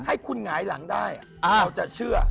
ให้คุณหงายหลังได้เราจะเชื่อ